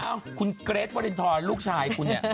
เอ้าคุณเกรทวรินทรลูกชายคุณเนี่ย